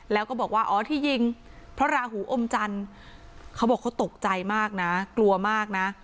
แล้วก็บอกว่าอ๋อที่ยิงเพราะราหูอมจันทร์เขาบอกเขาตกใจมากนะกลัวมากนะ